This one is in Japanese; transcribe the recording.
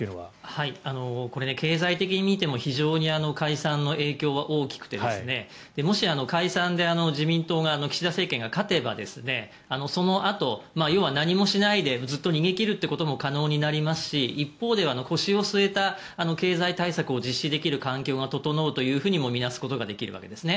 経済的に見ても非常に解散の影響は大きくてもし解散で自民党が、岸田政権が勝てばそのあと、要は何もしないでずっと逃げ切るということも可能になりますし一方では腰を据えた経済対策を実施できる環境が整うとも見なすことができるわけです。